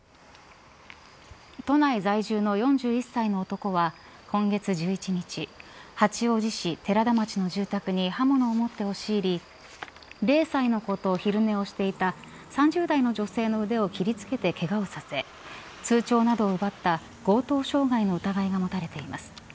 都内在住の４１歳の男は今月１１日八王子市寺田町の住宅に刃物を持って押し入り０歳の子と昼寝をしていた３０代の女性の腕を切り付けてけがをさせ通帳などを奪った強盗傷害の疑いが持たれています。